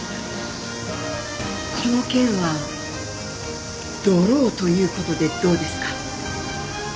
この件はドローということでどうですか？